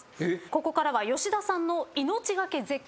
ここからは吉田さんの。